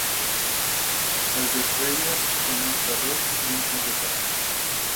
Es desfeia com un terròs dins d'un cafè.